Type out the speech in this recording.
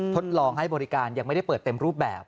ทดลองให้บริการยังไม่ได้เปิดเต็มรูปแบบ